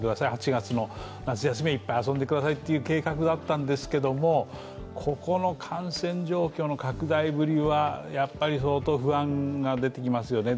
８月の夏休み、いっぱい遊んでくださいという計画だったんですけどここの感染状況の拡大ぶりは相当不安が出てきますよね。